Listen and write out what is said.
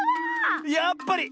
やっぱり！